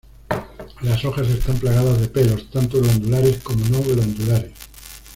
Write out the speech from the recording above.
Las hojas están plagadas de pelos tanto glandulares como no glandulares.